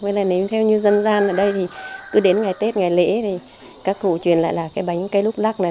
với lại nếu như dân gian ở đây thì cứ đến ngày tết ngày lễ thì các cụ truyền lại là cái bánh cây lúc lắc này